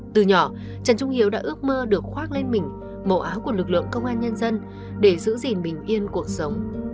sau đó trần trung hiếu đã ước mơ được khoác lên mình mẫu áo của lực lượng công an nhân dân để giữ gìn bình yên cuộc sống